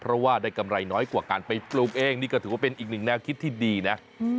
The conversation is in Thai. เพราะว่าได้กำไรน้อยกว่าการไปปลูกเองนี่ก็ถือว่าเป็นอีกหนึ่งแนวคิดที่ดีนะ